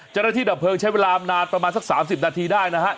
เจ้าหน้าที่ดับเพลิงใช้เวลาอำนาจประมาณสัก๓๐นาทีได้นะฮะ